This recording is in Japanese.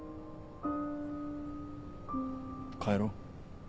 帰ろう？